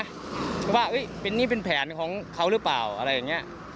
เพราะว่านี่เป็นแผนของเขาหรือเปล่าอะไรอย่างนี้